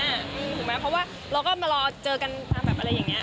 ถูกไหมเพราะว่าเราก็มารอเจอกันตามแบบอะไรอย่างนี้